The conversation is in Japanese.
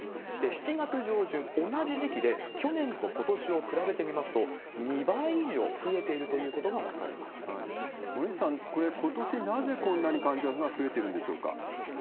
７月上旬、同じ時期で、去年とことしを比べてみますと、２倍以上増えているということが森内さん、これ、ことし、なぜこんなに患者が増えてるんでしょうか？